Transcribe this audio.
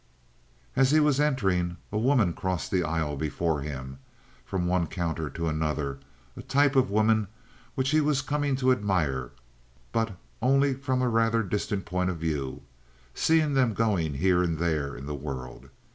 As he was entering a woman crossed the aisle before him, from one counter to another—a type of woman which he was coming to admire, but only from a rather distant point of view, seeing them going here and there in the world.